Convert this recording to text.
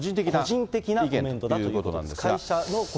個人的なコメントだということです。